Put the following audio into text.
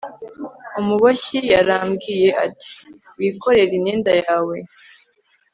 Umuboshyi yarambwiye ati Wikorere imyenda yawe